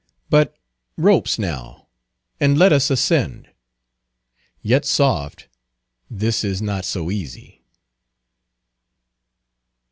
But ropes now, and let us ascend. Yet soft, this is not so easy.